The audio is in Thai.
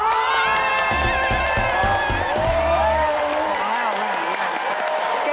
ถูกไหม